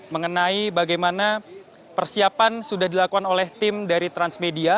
mengenai bagaimana persiapan sudah dilakukan oleh tim dari transmedia